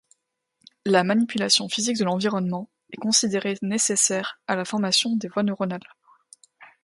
La manipulation physique de l'environnement est considérée nécessaire à la formation des voies neuronales.